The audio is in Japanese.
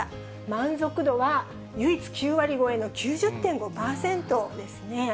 満足度は唯一９割超えの９０．５％ですね。